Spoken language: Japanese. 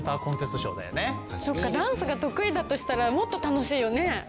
そっかダンスが得意だとしたらもっと楽しいよね。